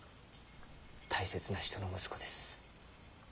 大切な人の息子です。